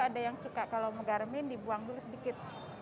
ada yang suka kalau mau garamin dibuang dulu sedikit